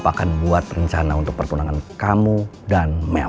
aku akan buat rencana untuk pertunangan kamu dan mel